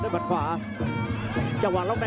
พยาบกระแทกมัดเย็บซ้าย